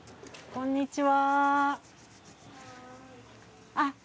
こんにちは。